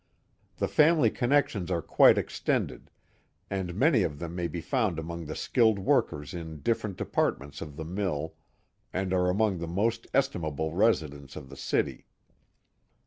The family connections are quite extended, and many of them may be found among the skilled workers in diflerent departments of the mill and are among the most estimable residents of the city.